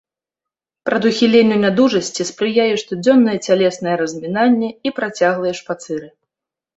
Прадухіленню нядужасці спрыяе штодзённае цялеснае размінанне і працяглыя шпацыры.